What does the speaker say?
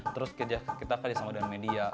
terus kita kerjasama dengan media